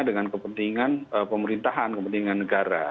dengan kepentingan pemerintahan kepentingan negara